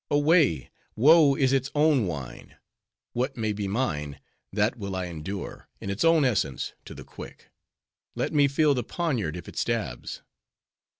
"Away! woe is its own wine. What may be mine, that will I endure, in its own essence to the quick. Let me feel the poniard if it stabs."